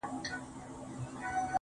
د دومره شنو شېخانو د هجوم سره په خوا کي